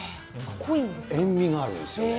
塩味があるんですよ。